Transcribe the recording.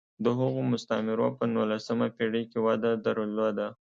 د هغو مستعمرو په نولسمه پېړۍ کې وده درلوده.